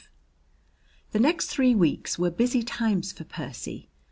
V The next three weeks were busy times for Percy.